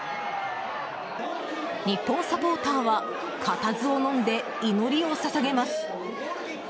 日本サポーターは固唾をのんで祈りを捧げます。